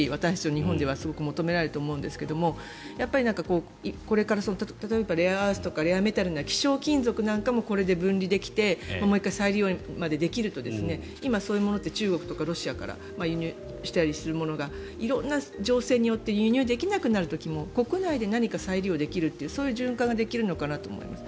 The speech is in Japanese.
日本ではすごく求められていると思うんですがこれから例えばレアアースとかレアメタルなんかの希少金属なんかもこれで分離できてもう１回再利用までできると今、そういうものって中国とかロシアから輸入したりするものが色んな情勢によって輸入できなくなる時も国内で再利用できるという循環ができるのかと思います。